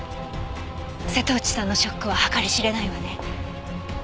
瀬戸内さんのショックは計り知れないわね。